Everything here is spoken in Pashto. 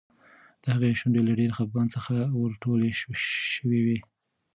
د هغې شونډې له ډېر خپګان څخه ورټولې شوې وې.